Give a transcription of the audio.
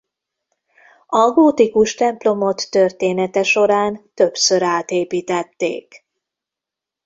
A gótikus templomot története során többször átépítették.